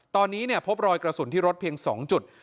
ตอนนี้พบรอยกระสุนที่รถเพียง๒จุด